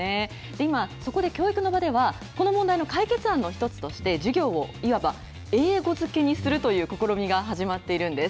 今、そこで教育の場では、この問題の解決案の一つとして、授業をいわば英語漬けにするという試みが始まっているんです。